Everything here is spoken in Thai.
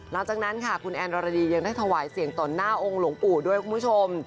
หลังจากนั้นค่ะคุณแอนรดียังได้ถวายเสียงต่อหน้าองค์หลวงปู่ด้วยคุณผู้ชม